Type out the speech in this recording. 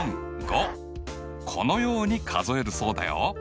このように数えるそうだよ。